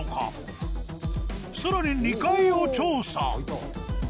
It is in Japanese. さらに２階を調査